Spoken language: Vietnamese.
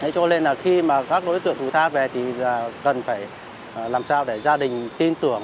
cho nên là khi các đối tượng thủ tháp về thì cần phải làm sao để gia đình tin tưởng